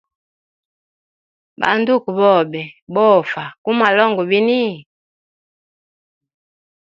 Ba nduku bobe bofa gumwalonganga bini.